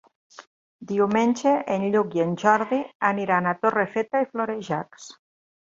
Diumenge en Lluc i en Jordi aniran a Torrefeta i Florejacs.